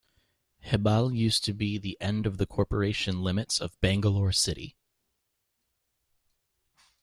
Hebbal used to be the end of the corporation limits of Bangalore City.